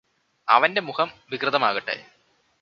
അവന്റെ മുഖം വികൃതമാകട്ടെ